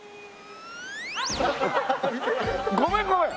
ごめんごめん！